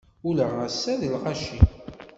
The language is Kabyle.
Ula ass-a d lɣaci.